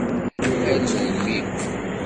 Ar melmi?